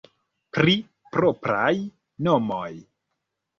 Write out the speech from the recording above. Pri propraj nomoj.